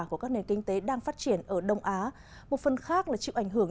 của các nền kinh tế đang phát triển ở đông á một phần khác là chịu ảnh hưởng